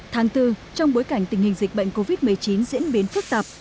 tháng bốn trong bối cảnh tình hình dịch bệnh covid một mươi chín diễn biến phức tạp